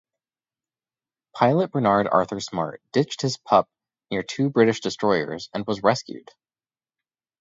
Pilot Bernard Arthur Smart ditched his Pup near two British destroyers and was rescued.